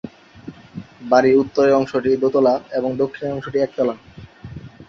বাড়ির উত্তরের অংশটি দোতলা এবং দক্ষিণের অংশটি একতলা।